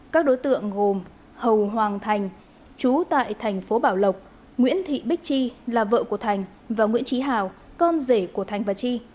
các đối tượng gồm hầu hoàng thành chú tại thành phố bảo lộc nguyễn thị bích chi là vợ của thành và nguyễn trí hào con rể của thành và chi